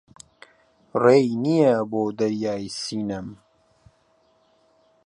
ڕێی نییە بۆ دەریای سینەم